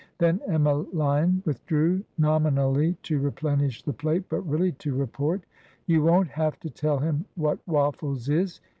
Then Emmeline withdrew, nominally to replenish the plate, but really to report : "You won't have to tell him what waffles is